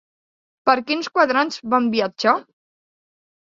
Per quins quadrants van viatjar?